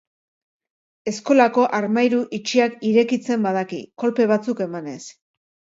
Eskolako armairu itxiak irekitzen badaki, kolpe batzuk emanez.